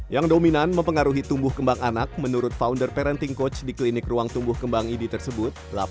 yang dominan mempengaruhi tumbuh kembang anak menurut founder parenting coach di klinik ruang tumbuh kembang idi tersebut